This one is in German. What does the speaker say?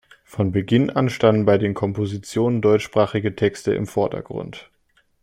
Von Beginn an standen bei den Kompositionen deutschsprachige Texte im Vordergrund.